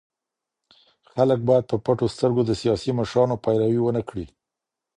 خلګ بايد په پټو سترګو د سياسي مشرانو پيروي ونه کړي.